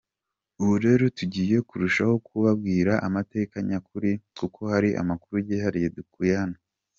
Ubu rero tugiye kurushaho kubabwira amateka nyakuri kuko hari amakuru yihariye dukuye hano.